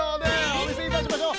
おみせいたしましょう！